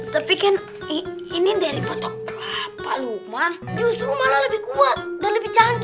terpikir ini dari batok kelapa lukman justru malah lebih kuat dan lebih canggih